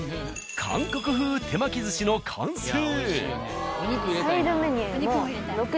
韓国風手巻き寿司の完成。